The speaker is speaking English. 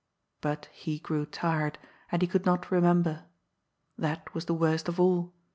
But he grew tired, and he conld not remember. That was the worst of all.